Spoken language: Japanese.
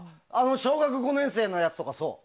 小学５年生のやつとかそう。